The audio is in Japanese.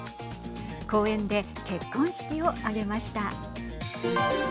公園で結婚式を挙げました。